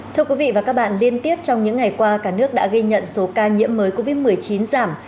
thưa quý vị và các bạn liên tiếp trong những ngày qua cả nước đã ghi nhận số ca nhiễm mới covid một mươi chín giảm